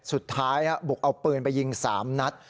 สุดท้ายบุกเอาปืนไปยิง๓นัด